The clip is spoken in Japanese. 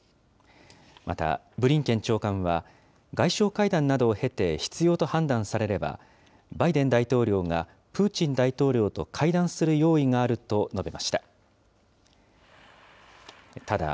また、ブリンケン長官は、外相会談などを経て必要と判断されれば、バイデン大統領がプーチン大統領と会談する用意があると述べました。